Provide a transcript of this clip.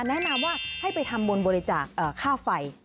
แนะนำว่าให้ไปทำบุญบริจาคค่าไฟ